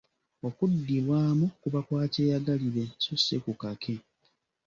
Okuddibwamu kuba kwa kyeyagalire so si kukake.